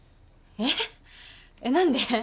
えっ何で？